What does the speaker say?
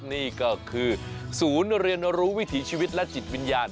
นี่ก็คือศูนย์เรียนรู้วิถีชีวิตและจิตวิญญาณ